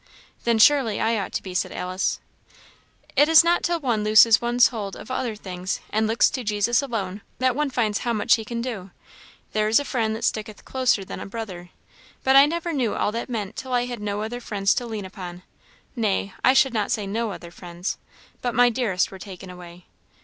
"Then surely I ought to be," said Alice. "It is not till one looses one's hold of other things, and looks to Jesus alone, that one finds how much he can do. 'There is a friend that sticketh closer than a brother;' but I never knew all that meant till I had no other friends to lean upon; nay, I should not say no other friends; but my dearest were taken away.